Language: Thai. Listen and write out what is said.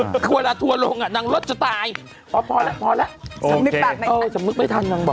เป็นคือเวลาถัวลงนางรสจะตายเออพอแล้วสำนึกปากไม่ทัน